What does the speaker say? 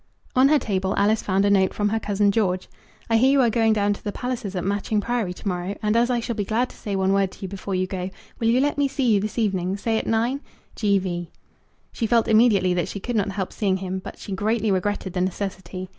On her table Alice found a note from her cousin George. "I hear you are going down to the Pallisers at Matching Priory to morrow, and as I shall be glad to say one word to you before you go, will you let me see you this evening, say at nine? G. V." She felt immediately that she could not help seeing him, but she greatly regretted the necessity.